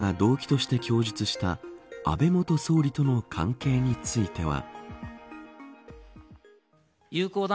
そして、山上容疑者が動機として供述した安倍元総理との関係については。